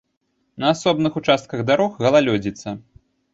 На асобных участках дарог галалёдзіца.